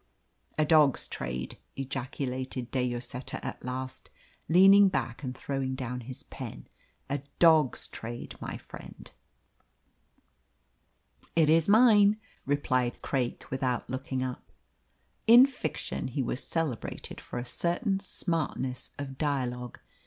"A dog's trade!" ejaculated De Lloseta at last, leaning back and throwing down his pen, "a dog's trade, my friend!" "It is mine," replied Craik, without looking up. In fiction he was celebrated for a certain smartness of dialogue.